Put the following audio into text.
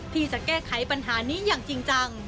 ที่จะแก้ไขปัญหานี้อย่างจริงจัง